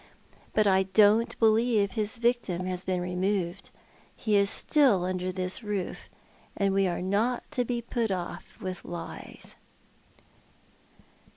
But I don't believe his victim has been removed — he is still under this roof, and we are not to be put off with lies."